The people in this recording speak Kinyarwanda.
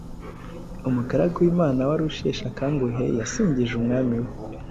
umugaragu w’imana wari usheshe akanguhe yasingije umwami we